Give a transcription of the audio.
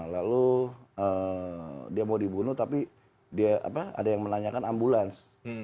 lalu dia mau dibunuh tapi ada yang menanyakan ambulans